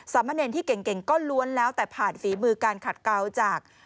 มะเนรที่เก่งก็ล้วนแล้วแต่ผ่านฝีมือการขัดเกาจาก